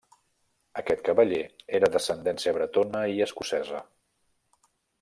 Aquest cavaller era d'ascendència bretona i escocesa.